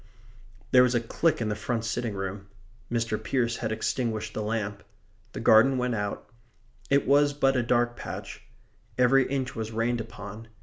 There was a click in the front sitting room. Mr. Pearce had extinguished the lamp. The garden went out. It was but a dark patch. Every inch was rained upon.